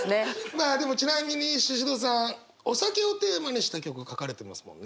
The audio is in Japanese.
まあでもちなみにシシドさん「お酒」をテーマにした曲書かれてますもんね。